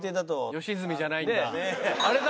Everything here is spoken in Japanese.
吉住じゃないんだ。